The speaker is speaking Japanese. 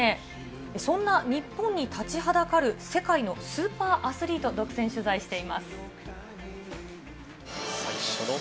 続いては、そんな日本に立ちはだかる世界のスーパーアスリートを独占取材しています。